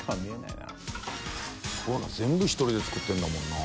垢瓦い全部１人で作ってるんだもんな。